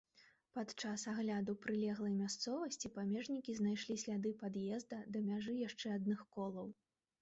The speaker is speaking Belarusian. Падчас агляду прылеглай мясцовасці памежнікі знайшлі сляды пад'езда да мяжы яшчэ адных колаў.